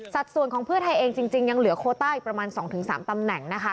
ส่วนของเพื่อไทยเองจริงยังเหลือโคต้าอีกประมาณ๒๓ตำแหน่งนะคะ